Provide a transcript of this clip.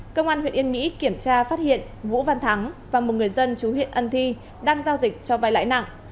cơ quan huyện yên mỹ kiểm tra phát hiện vũ văn thắng và một người dân chú huyện ân thi đang giao dịch cho vay lãi nặng